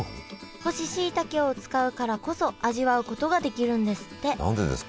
干ししいたけを使うからこそ味わうことができるんですって何でですか？